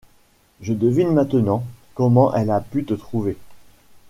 Je devine maintenant comment elle a pu te trouver. ..